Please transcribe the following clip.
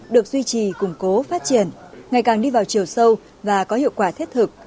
được duy trì củng cố phát triển ngày càng đi vào chiều sâu và có hiệu quả thiết thực